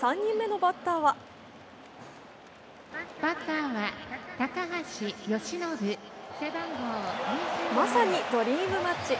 ３人目のバッターはまさにドリームマッチ。